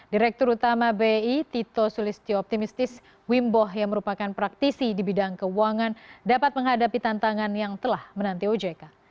direktur utama bi tito sulistyo optimistis wimbo yang merupakan praktisi di bidang keuangan dapat menghadapi tantangan yang telah menanti ojk